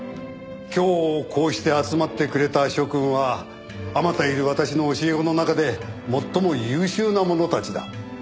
今日こうして集まってくれた諸君は数多いる私の教え子の中で最も優秀な者たちだ。